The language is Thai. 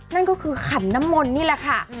นั่นก็คือขันน้ำมนต์นี่แหละค่ะ